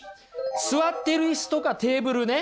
座ってるイスとかテーブルね